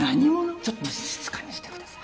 ちょっと静かにしてください。